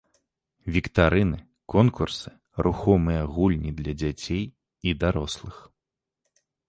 Віктарыны, конкурсы, рухомыя гульні для дзяцей і дарослых.